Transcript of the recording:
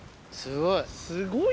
すごい。